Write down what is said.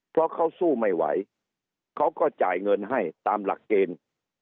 เพราะเขาสู้ไม่ไหวเขาก็จ่ายเงินให้ตามหลักเกณฑ์